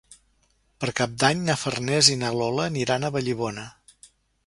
Per Cap d'Any na Farners i na Lola aniran a Vallibona.